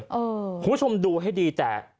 คุณผู้ชมดูให้ดีแต่